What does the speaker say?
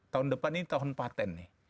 tahun depan ini tahun patent nih